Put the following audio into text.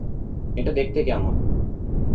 এটা দেখতে কেমন?